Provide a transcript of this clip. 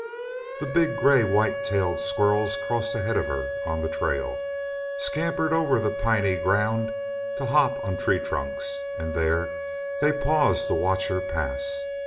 The big, gray, white tailed squirrels crossed ahead of her on the trail, scampered over the piny ground to hop on tree trunks, and there they paused to watch her pass.